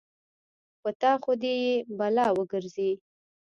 په تا خو دې يې بلا وګرځې.